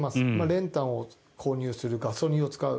練炭を購入するガソリンを使う。